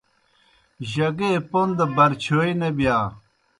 جگے پوْن دہ برچِھیوئے نہ بِیا۔